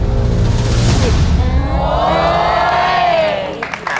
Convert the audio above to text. โอ้ย